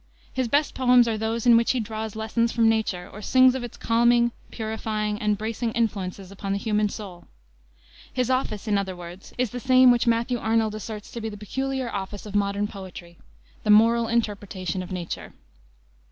His best poems are those in which he draws lessons from nature, or sings of its calming, purifying, and bracing influences upon the human soul. His office, in other words, is the same which Matthew Arnold asserts to be the peculiar office of modern poetry, "the moral interpretation of nature."